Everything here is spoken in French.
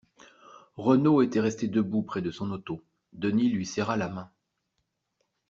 Renaud était resté debout près de son auto. Denis lui serra la main.